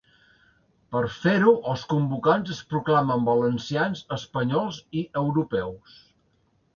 Per fer-ho, els convocants es proclamen valencians, espanyols i europeus.